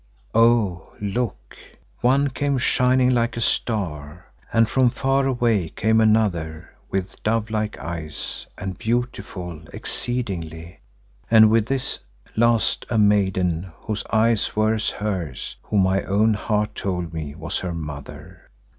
Oh, look! One came shining like a star, and from far away came another with dove like eyes and beautiful exceedingly, and with this last a maiden, whose eyes were as hers who my own heart told me was her mother.